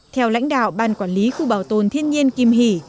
theo lãnh đạo ban quản lý khu bảo tồn thiên nhiên kim hỷ